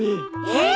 えっ！？